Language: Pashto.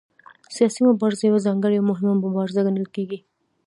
سیاسي مبارزه یوه ځانګړې او مهمه مبارزه ګڼل کېږي